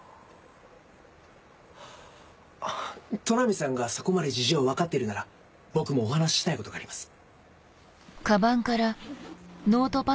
都波さんがそこまで事情を分かっているなら僕もお話ししたいことがあります。